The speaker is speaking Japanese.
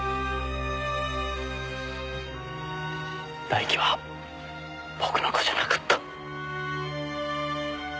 大輝は僕の子じゃなかった。